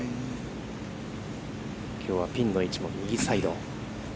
きょうはピンの位置も右サイド。